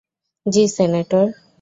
জি, senator.